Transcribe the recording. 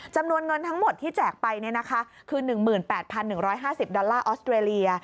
จำนวนเงินทั้งหมดที่แจกไปคือ๑๘๑๕๐ดอลลาร์ออสเตรเลีย